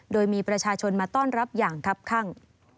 โดยมีประชาชนมาต้อนรับอย่างครับข้าง